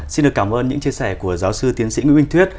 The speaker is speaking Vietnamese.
xin được cảm ơn những chia sẻ của giáo sư tiến sĩ nguyễn minh thuyết